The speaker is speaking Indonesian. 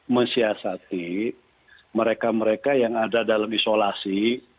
mensiasati mereka mereka yang ada dalam isolasi